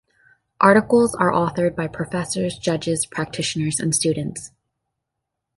Articles are authored by professors, judges, practitioners, and students.